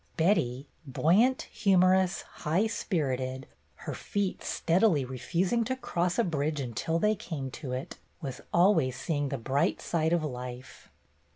Betty, buoyant, humorous, high spirited, her feet steadily refusing to cross a bridge until they came to it, was always seeing the bright side of life.